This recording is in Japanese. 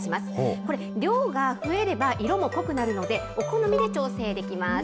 これ、量が増えれば色も濃くなるので、お好みで調整できます。